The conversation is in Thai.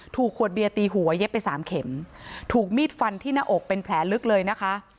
ถูกขวดเบียร์ตีหัวเย็บไปสามเข็มถูกมีดฟันที่หน้าอกเป็นแผลลึกเลยนะคะ